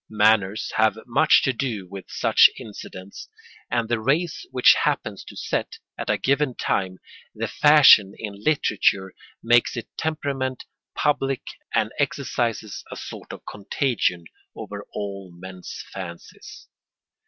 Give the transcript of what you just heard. Manners have much to do with such incidents, and the race which happens to set, at a given time, the fashion in literature makes its temperament public and exercises a sort of contagion over all men's fancies.